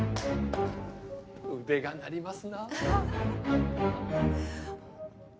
腕が鳴りますなぁ。